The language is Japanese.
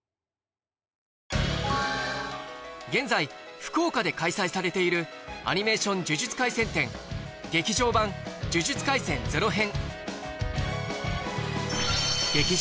現在福岡で開催されている「アニメーション呪術廻戦展劇場版呪術廻戦０編」